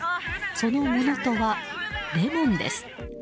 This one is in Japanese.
そのものとは、レモンです。